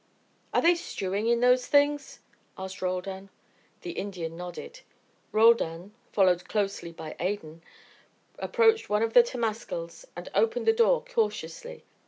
"Are they stewing in those things?" asked Roldan. The Indian nodded. Roldan, followed closely by Adan, approached one of the temascals and opened the door cautiously.